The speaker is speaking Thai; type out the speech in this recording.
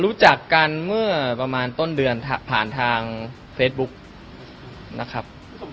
รู้จักกันเมื่อประมาณต้นเดือนผ่านทางเฟซบุ๊กนะครับ